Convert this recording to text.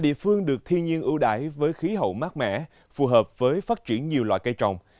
địa phương được thiên nhiên ưu đải với khí hậu mát mẻ phù hợp với phát triển nhiều loại cây trồng